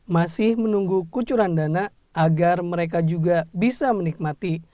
masih menunggu kucuran dana agar mereka juga bisa menikmati